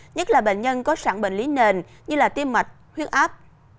nhất là bệnh nhân có sản bệnh lý nền như tiêm mạch huyết áp